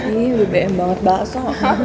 ihh udah bm banget baso